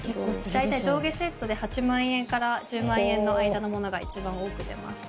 大体上下セットで８万円から１０万円の間のものが一番多く出ます。